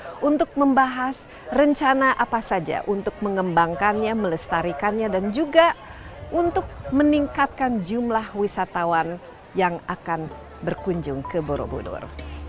dan untuk membahas rencana apa saja untuk mengembangkannya melestarikannya dan juga untuk meningkatkan jumlah wisatawan yang akan berkunjung ke borobudur